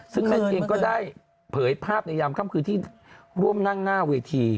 ซึ่งแม่เกียงก็ได้เผยภาพในยามค่ำคืนที่ร่วมนั่งหน้าเวที